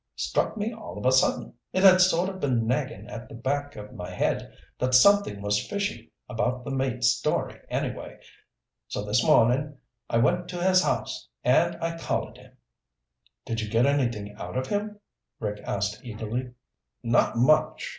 Struck me all of a sudden. It had sort of been nagging at the back of my head that something was fishy about that mate's story anyway, so this morning I went to his house and I collared him." "Did you get anything out of him?" Rick asked eagerly. "Not much.